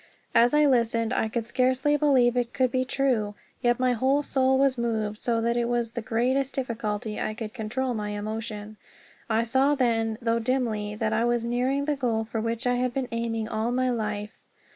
As I listened I could scarcely believe it could be true, yet my whole soul was moved so that it was with the greatest difficulty I could control my emotion. I saw then, though dimly, that I was nearing the goal for which I had been aiming all my life.